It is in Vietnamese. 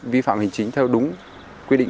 vi phạm hình chính theo đúng quy định